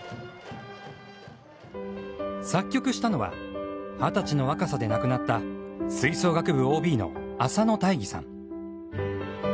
作曲したのは２０歳の若さで亡くなった吹奏楽部ＯＢの浅野大義さん。